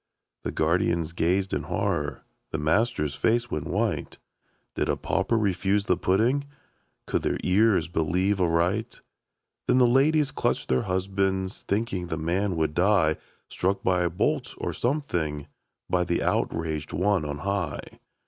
The guardians gazed in horror. The master's face went white ;" Did a pauper refuse their pudding ?' Could their ears believe aright ?" Then the ladies clutched their husbands Thinking the man would die. Struck by a bolt, or something, By the outraged One on high.